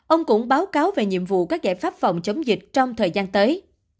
ông cũng báo cáo về nhiệm vụ các giải pháp phòng chống dịch trong thời gian tới